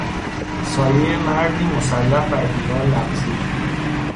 سایهی مردی مسلح بر دیوار لغزید.